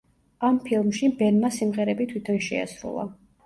ამ ფილმში ბენმა სიმღერები თვითონ შეასრულა.